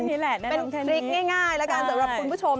อันนี้แหละแน่นอนแชนนี้เป็นทริคง่ายแล้วกันสำหรับคุณผู้ชม